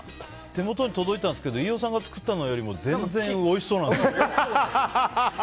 手元に届いたんですけど飯尾さんが作ったのよりも全然、おいしそうなんですけど。